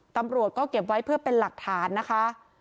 ตำรวจก็เก็บไว้เพื่อเป็นหลักฐานนะคะ